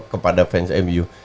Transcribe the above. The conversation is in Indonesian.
kepada fans mu